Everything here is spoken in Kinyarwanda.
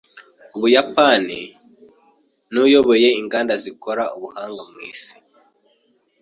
Ubuyapani nuyoboye inganda zikorana buhanga ku isi.